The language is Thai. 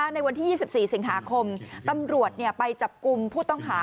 ในวันที่ยี่สิบสี่สิงหาคมตำรวจเนี่ยไปจับกลุ่มผู้ต้องหา